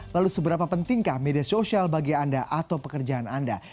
lalu seberapa pentingkah media sosial bagi anda atau pekerjaan anda